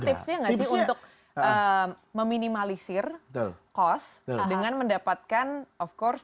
ada tips tipsnya gak sih untuk meminimalisir cost dengan mendapatkan of course